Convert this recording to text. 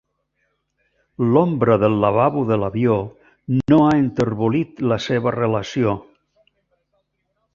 L'ombra del lavabo de l'avió no ha enterbolit la seva relació.